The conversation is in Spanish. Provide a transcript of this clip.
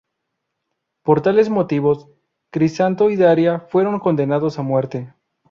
Por tales motivos, Crisanto y Daría fueron condenados a muerte.